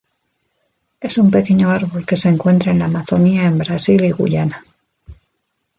Es un pequeño árbol que se encuentra en la Amazonia en Brasil y Guyana.